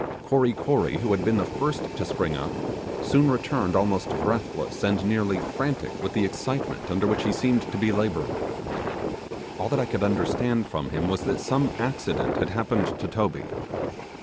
Kory Kory, who had been the first to spring up, soon returned almost breathless, and nearly frantic with the excitement under which he seemed to be labouring. All that I could understand from him was that some accident had happened to Toby.